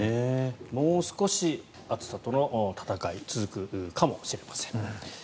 もう少し暑さとの戦い続くかもしれません。